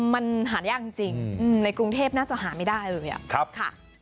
มันหายากจริงในกรุงเทพน่าจะหาไม่ได้เลยค่ะ